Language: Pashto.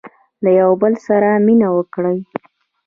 • له یوه بل سره مینه وکړئ.